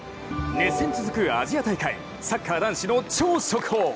熱戦続くアジア大会、サッカー男子の超速報。